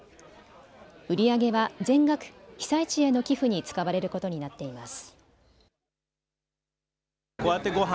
売り上げは全額被災地への寄付に使われることになっています。